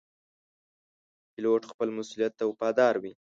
پیلوټ خپل مسؤولیت ته وفادار وي.